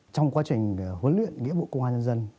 trong quá trình huấn luyện nghĩa vụ công an nhân dân